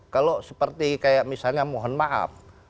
kalau seperti kayak misalnya mohon maaf